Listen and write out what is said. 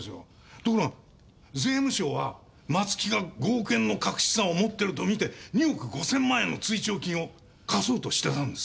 ところが税務署は松木が５億円の隠し資産を持ってるとみて２億５０００万円の追徴金を課そうとしてたんです。